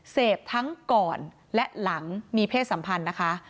เสพทั้งก่อนและหลังมีเพศสัมพันธ์นะคะ